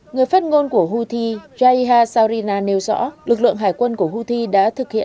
người phát ngôn của houthi jaiha saurina nêu rõ lực lượng hải quân của houthi đã thực hiện